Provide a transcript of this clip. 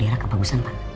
bisa dikira kebagusan pak